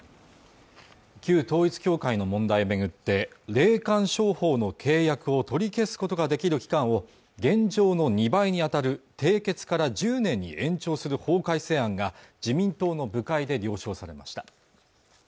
旧統一教会の問題を巡って霊感商法の契約を取り消すことができる期間を現状の２倍にあたる締結から１０年に延長する法改正案が自民党の部会で了承されました